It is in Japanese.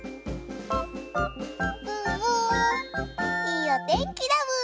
いいおてんきだブー。